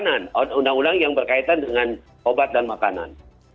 untuk kematiannya di samping undang undang yang berkaitan dengan obat dan makanan